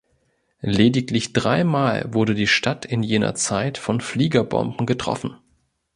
Lediglich dreimal wurde die Stadt in jener Zeit von Fliegerbomben getroffen.